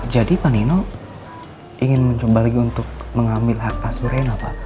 jadi pak nino ingin mencoba lagi untuk mengambil hak asur rena pak